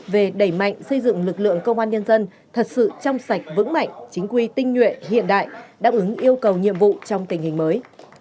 về đẩy mạnh xây dựng lực lượng công an nhân dân thật sự trong sạch vững mạnh chính quy tinh nhuệ hiện đại đáp ứng yêu cầu nhiệm vụ trong tình hình mới